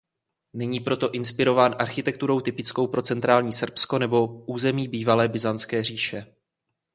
Není proto inspirován architekturou typickou pro centrální Srbsko nebo území bývalé Byzantské říše.